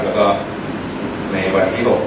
แล้วก็ในวันที่๖